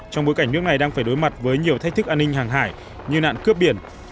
trong bối cảnh nước này đang phải đối mặt với nhiều thách thức an ninh hàng hải như nạn cướp biển